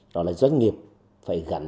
doanh nghiệp phải gắn